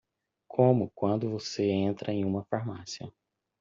Como quando você entra em uma farmácia.